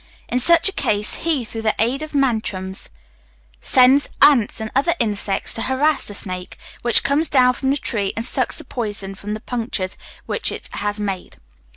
In such a case, he, through the aid of mantrams, sends ants and other insects to harass the snake, which comes down from the tree, and sucks the poison from the punctures which it has made.